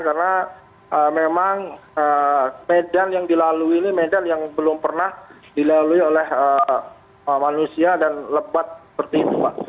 karena memang medan yang dilalui ini medan yang belum pernah dilalui oleh manusia dan lebat seperti itu pak